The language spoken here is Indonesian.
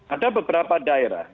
ada beberapa daerah